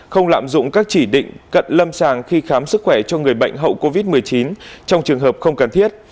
không lạm dụng các chỉ định cận lâm sàng khi khám sức khỏe cho người bệnh hậu covid một mươi chín trong trường hợp không cần thiết